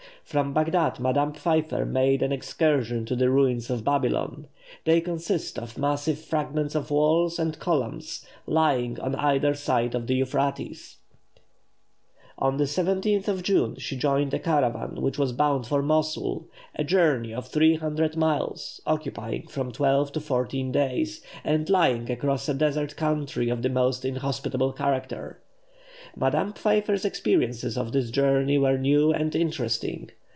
From Bagdad Madame Pfeiffer made an excursion to the ruins of Babylon. They consist of massive fragments of walls and columns, lying on either side of the Euphrates. On the 17th of June she joined a caravan which was bound for Mosul, a journey of three hundred miles, occupying from twelve to fourteen days, and lying across a desert country of the most inhospitable character. Madame Pfeiffer's experiences on this journey were new and interesting.